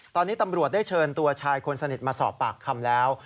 ตอนนี้ตำรวจได้เชิญตัวชายคนสนิทมาสอบปากคำแล้ว